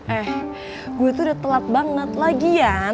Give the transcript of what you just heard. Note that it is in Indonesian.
eh gue tuh udah telat banget lagi ya